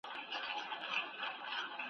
ستا نصیحت مي له کرداره سره نه جوړیږي `